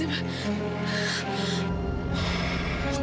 belum lagi sahaja saja ya ya pak